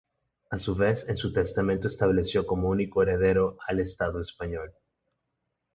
A su vez, en su testamento estableció como único heredero al Estado Español.